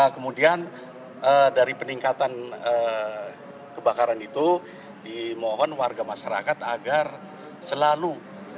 kemudian dari peningkatan kebakaran itu dimohon warga masyarakat agar selalu